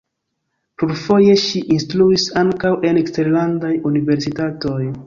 Plurfoje ŝi instruis ankaŭ en eksterlandaj universitatoj.